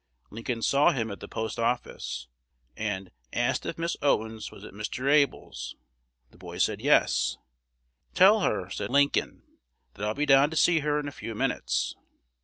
Lincoln saw him at the post office, and "asked if Miss Owens was at Mr. Able's." The boy said "Yes." "Tell her," said Lin join, "that I'll be down to see her in a few minutes."